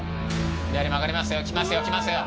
左曲がりましたよきますよきますよ